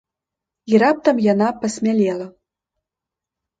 І раптам яна пасмялела.